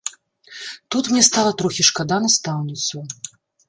Тут мне стала трохі шкада настаўніцу.